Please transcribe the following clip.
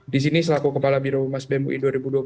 di sini selaku kepala biro umas bemui dua ribu dua puluh dua